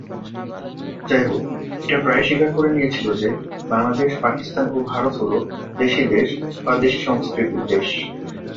যাইহোক, এটা প্রায়ই স্বীকার করে নিয়েছিল যে বাংলাদেশ, পাকিস্তান ও ভারত হলো "দেশী দেশ" বা "দেশী সংস্কৃতির দেশ"।